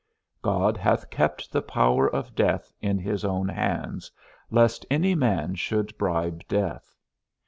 God hath kept the power of death in his own hands, lest any man should bribe death.